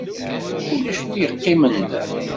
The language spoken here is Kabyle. Ulac wi yeqqimen da.